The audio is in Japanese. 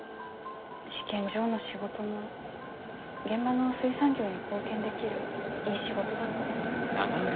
試験場の仕事も現場の水産業に貢献できるいい仕事だと思う。